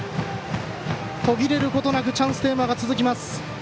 途切れることなくチャンステーマが続きます。